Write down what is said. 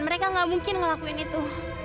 mereka nggak mungkin ngelakuin itu